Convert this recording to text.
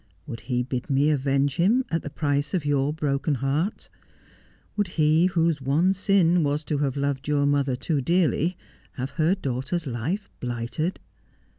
Would he bid me avenge him, at the price of your broken heart 1 Would he, whose one sin was to have loved your mother too dearly, have her daughter's life blighted